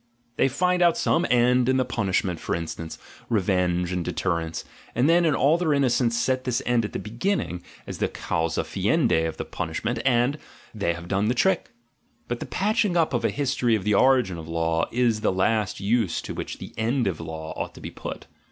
They find out some "end" in the punishment, for instance, revenge and deterrence, and then in all their innocence set this end at the beginning, as the causa fiendi of the punishment, and — they have done the trick. But the patching up of a history of the origin of law is the last use to which the "End in Law"* ought to be put.